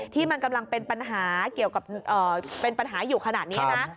ที่มันกำลังเป็นปัญหาเป็นปัญหาอยู่ขนาดนี้นะ